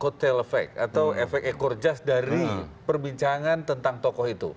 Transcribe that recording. kotel efek atau efek ekor jas dari perbincangan tentang tokoh itu